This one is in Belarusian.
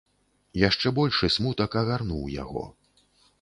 Яшчэ большы смутак агарнуў яго.